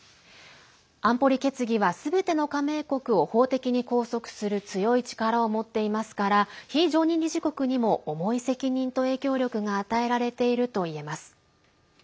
安保理決議はすべての加盟国を法的に拘束する強い力を持っていますから非常任理事国にも重い責任と影響力が与えられているといえます。